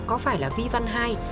có phải là vi văn hai